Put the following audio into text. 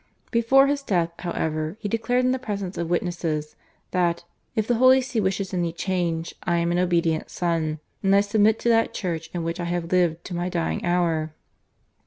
Before his death, however, he declared in presence of witnesses that "if the Holy See wishes any change I am an obedient son and I submit to that Church in which I have lived to my dying hour."